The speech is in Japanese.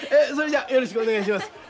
それじゃよろしくお願いします。